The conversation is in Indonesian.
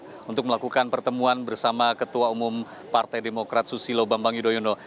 dan melakukan pertemuan bersama ketua umum partai demokrat susilo bambang yudhoyono